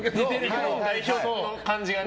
日本代表の感じがね。